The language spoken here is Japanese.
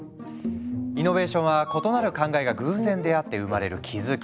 イノベーションは異なる考えが偶然出会って生まれる気付き。